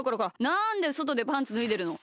なんでそとでパンツぬいでるの！